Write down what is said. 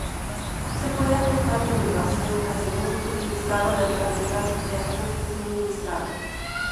Se puede ajustar en elevación y acimut, utilizando la herramienta de ajuste suministrada.